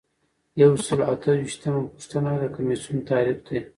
یو سل او اته ویشتمه پوښتنه د کمیسیون تعریف دی.